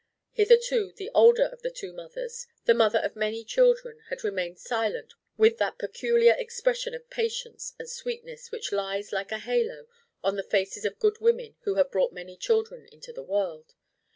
Hitherto the older of the two mothers, the mother of many children, had remained silent with that peculiar expression of patience and sweetness which lies like a halo on the faces of good women who have brought many children into the world.